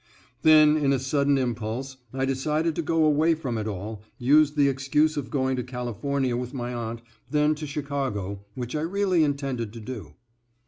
Then in a sudden impulse I decided to go away from it all, using the excuse of going to California with my aunt, then to Chicago, which I really intended to do.